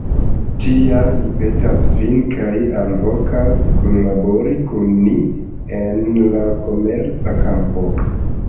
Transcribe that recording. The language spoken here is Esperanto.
Tial, ni petas vin kaj alvokas, kunlabori kun ni en la komerca kampo.